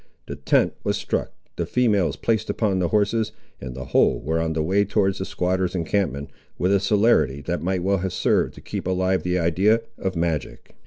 The tent was struck, the females placed upon the horses, and the whole were on the way towards the squatter's encampment, with a celerity that might well have served to keep alive the idea of magic.